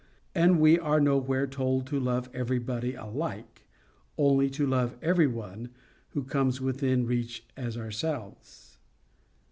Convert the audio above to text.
And we are nowhere, told to love everybody alike, only to love every one who comes within our reach as ourselves.